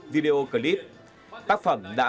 video clip tác phẩm đã